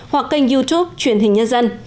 hoặc kênh youtube truyền hình nhân dân